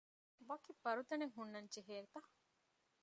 ވަކި ބަރުދަނެއް ހުންނަންޖެހޭތަ؟